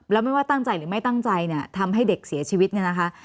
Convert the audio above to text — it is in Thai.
แล้วไม่ว่าตั้งใจหรือไม่ตั้งใจเนี่ยทำให้เด็กเสียชีวิตเนี่ยนะคะ